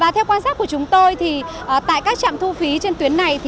theo quan sát của chúng tôi tại các trạm thu phí trên tuyến này